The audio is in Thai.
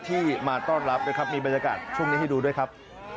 ที่มาต้อนรับนะครับมีบรรยากาศช่วงนี้ให้ดูด้วยครับ